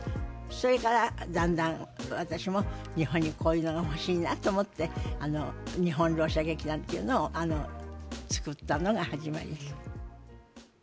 それからだんだん私も日本にこういうのが欲しいなと思って日本ろう者劇団というのを作ったのが始まりです。